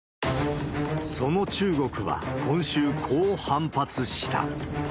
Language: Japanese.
その中国は今週、こう反発した。